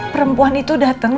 perempuan itu dateng